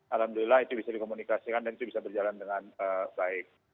alhamdulillah itu bisa dikomunikasikan dan itu bisa berjalan dengan baik